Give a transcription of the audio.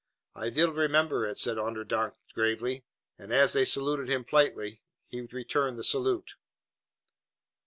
"I vill remember it," said Onderdonk gravely, and as they saluted him politely, he returned the salute.